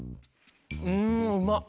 うんうまっ！